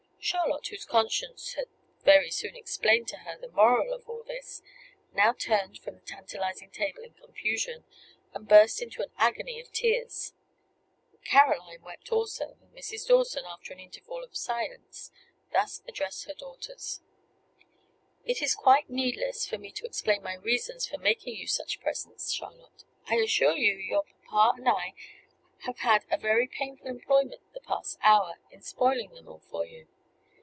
Charlotte, whose conscience had very soon explained to her the moral of all this, now turned from the tantalizing table in confusion, and burst into an agony of tears. Caroline wept also; and Mrs. Dawson, after an interval of silence, thus addressed her daughters: "It is quite needless for me to explain my reasons for making you such presents, Charlotte. I assure you your papa and I have had a very painful employment the past hour in spoiling them all for you.